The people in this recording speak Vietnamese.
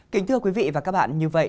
kính thưa quý vị và các bạn